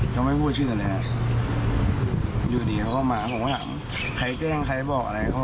เดี๋ยวดีเขาก็มาขอถามใครเกล้งใครบอกอะไร